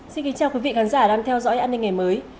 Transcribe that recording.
xin kính chào quý vị khán giả đang theo dõi an ninh ngày mới